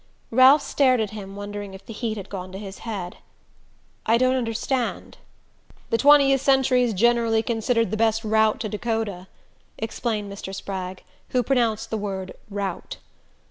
Ralph stared at him, wondering if the heat had gone to his head. "I don't understand." "The Twentieth Century's generally considered the best route to Dakota," explained Mr. Spragg, who pronounced the word ROWT.